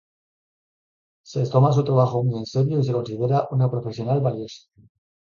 Se toma su trabajo muy en serio, y se considera una profesional valiosa.